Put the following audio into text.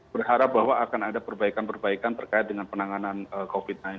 berharap bahwa akan ada perbaikan perbaikan terkait dengan penanganan covid sembilan belas